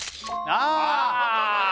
ああ！